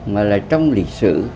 mà lại trong lịch sử